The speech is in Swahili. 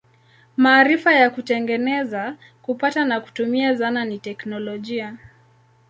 Maarifa ya kutengeneza, kupata na kutumia zana ni teknolojia.